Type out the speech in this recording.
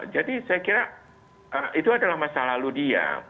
saya kira itu adalah masa lalu dia